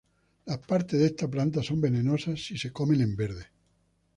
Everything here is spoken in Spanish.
Las partes de esta planta son venenosas si se comen en verde.